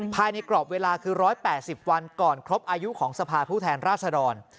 ภายในกรอบเวลาคือ๑๘๐วันก่อนครบอายุของสภาผู้แทนราชดร